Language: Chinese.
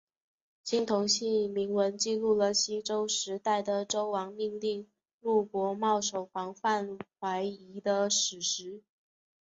青铜器铭文记录了西周时代的周王命令录伯戍守防范淮夷的史实。